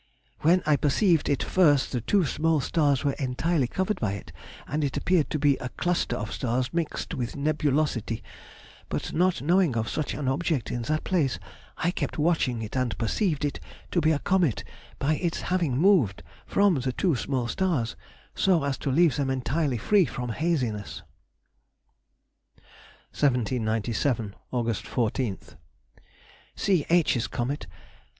When I perceived it first the two small stars were entirely covered by it, and it appeared to be a cluster of stars mixed with nebulosity; but not knowing of such an object in that place, I kept watching it, and perceived it to be a comet by its having moved from the two small stars, so as to leave them entirely free from haziness. 1797. Aug. 14th.—C. H.'s comet.